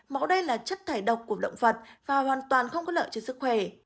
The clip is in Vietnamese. máu đen là chất thải độc của động vật và hoàn toàn không có lợi cho sức khỏe